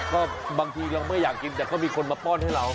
ก็บางทีเราไม่อยากกินแต่ก็มีคนมาป้อนให้เรา